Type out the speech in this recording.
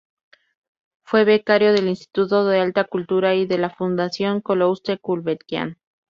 Fue becario del Instituto da Alta Cultura y de la Fundación Calouste Gulbenkian.